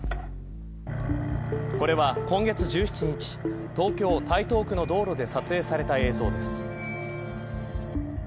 これは、今月１７日東京・台東区の道路で撮影された映像です。